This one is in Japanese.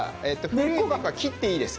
古い根っこは切っていいです。